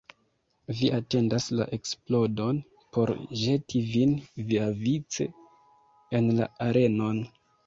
Vi atendas la eksplodon por ĵeti vin viavice en la arenon.